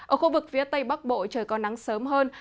ở khu vực phía tây bắc bộ trời có nắng sớm hơn